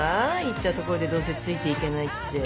行ったところでどうせついていけないって。